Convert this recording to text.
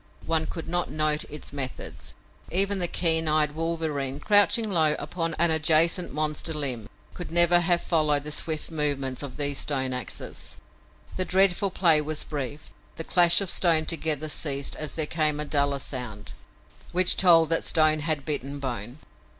One could not note its methods; even the keen eyed wolverine, crouching low upon an adjacent monster limb, could never have followed the swift movements of these stone axes. The dreadful play was brief. The clash of stone together ceased as there came a duller sound, which told that stone had bitten bone.